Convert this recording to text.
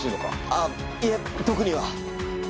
あっいえ特には。